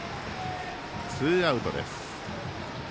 ツーアウトです。